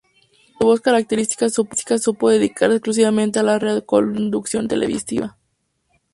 Con su voz característica supo dedicarse exclusivamente a la radio y ala conducción televisiva.